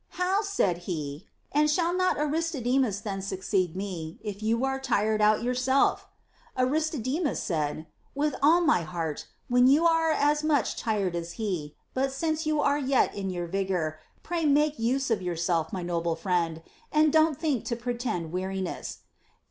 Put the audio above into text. How ! said he, and shall not Aristodemus then succeed me, if you are tired out yourself ? Aristodemus said : With all my heart, when you are as much tired as he is ; but since you are yet in your vigor, pray make use of yourself, my noble friend, and don't think to pretend weariness.